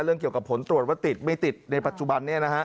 เรื่องเกี่ยวกับผลตรวจว่าติดไม่ติดในปัจจุบันนี่นะฮะ